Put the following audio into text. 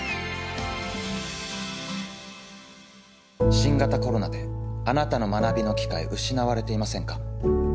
新型コロナであなたの学びの機会失われていませんか？